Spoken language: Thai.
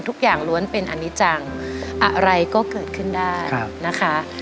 ทุกอย่างล้วนเป็นอันนี้จังอะไรก็เกิดขึ้นได้ครับนะคะ